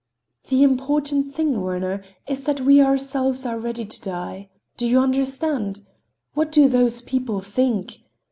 The important thing, Werner, is that we ourselves are ready to die. Do you understand? What do those people think?